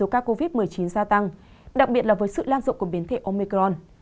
các covid một mươi chín gia tăng đặc biệt là với sự lan rộng của biến thể omicron